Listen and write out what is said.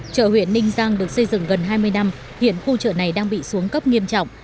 chợ huyện ninh giang được xây dựng gần hai mươi năm hiện khu chợ này đang bị xuống cấp nghiêm trọng